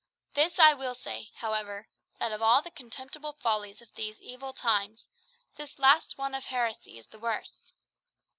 This I will say, however, that of all the contemptible follies of these evil times, this last one of heresy is the worst.